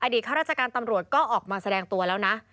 ข้าราชการตำรวจก็ออกมาแสดงตัวแล้วนะ